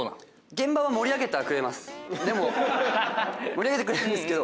盛り上げてくれるんですけど。